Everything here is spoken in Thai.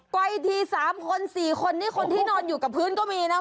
ไปที๓คน๔คนนี่คนที่นอนอยู่กับพื้นก็มีนะ